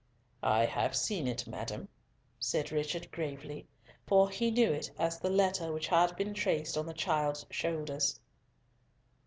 "I have seen it, madam," said Richard, gravely, for he knew it as the letter which had been traced on the child's shoulders.